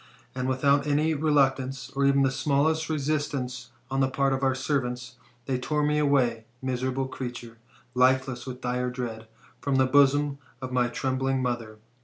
And without any reluctance, or even the smallest resistance on the part of our servants, they tore me away, miserable creature, lifeless with dire dread, from the bosom of my trembling mother.